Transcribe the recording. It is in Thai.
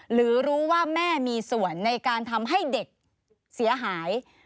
หรือว่าแม่มีส่วนในการทำให้เด็กเสียหาย